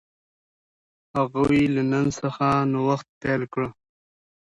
هغوی له نن څخه نوښت پیل کړ.